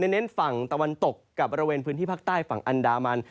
เน้นฝั่งตะวันตกกับบริเวณพื้นที่ภาคใต้ฝั่งอันดามัน